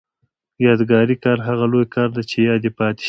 یادګاري کار هغه لوی کار دی چې یاد پاتې شي.